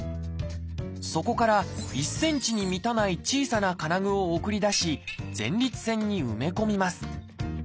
そこから１ｃｍに満たない小さな金具を送り出し前立腺に埋め込みます。